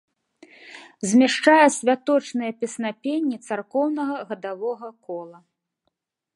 Змяшчае святочныя песнапенні царкоўнага гадавога кола.